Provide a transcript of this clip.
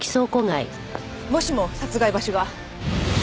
もしも殺害場所が。